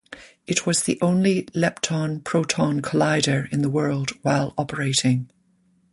It was the only lepton-proton collider in the world while operating.